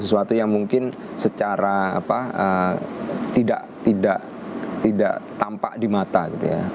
sesuatu yang mungkin secara tidak tampak di mata gitu ya